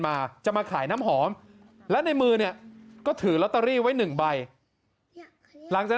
มาจะมาขายน้ำหอมและในมือเนี่ยก็ถือลอตเตอรี่ไว้หนึ่งใบหลังจากนั้น